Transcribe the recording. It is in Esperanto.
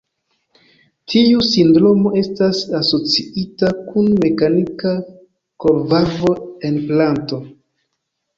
Tiu sindromo estas asociita kun mekanika korvalvo-enplanto.